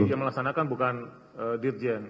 jadi yang melaksanakan bukan dirjen